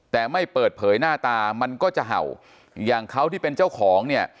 แต่ไม่เปิดเผยหน้าตามันก็จะเห่าอย่างเขาที่เป็นเจ้าของเนี่ย